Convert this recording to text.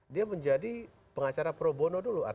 dia menjadi pengacara pro bono dulu